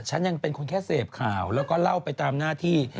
ฉันยังเป็นคนแค่เสพข่าวแล้วก็เล่าไปตามหน้าที่